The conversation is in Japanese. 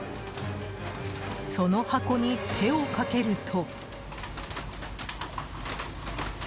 その箱に手をかけると。